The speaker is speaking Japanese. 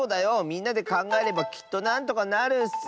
みんなでかんがえればきっとなんとかなるッス！